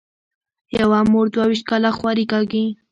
یوه مور دوه وېشت کاله خواري کاږي.